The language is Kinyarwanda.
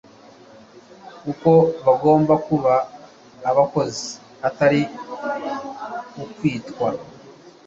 uko bagomba kuba abakozi atari ukwitwa